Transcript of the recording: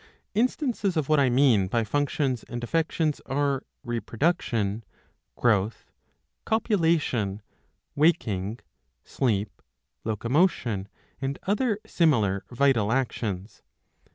Instances of what I mean by functions and affections are Re production, Growth, Copulation, Waking, Sleep, Locomotion, and other similar vital actions.